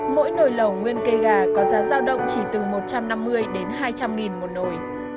mỗi nồi lẩu nguyên cây gà có giá giao động chỉ từ một trăm năm mươi đến hai trăm linh nghìn một nồi